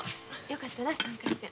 よかったな３回戦。